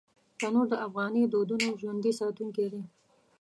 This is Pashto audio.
تنور د افغاني دودونو ژوندي ساتونکی دی